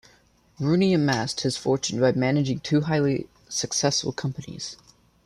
Rooney amassed his fortune by managing two highly successful companies.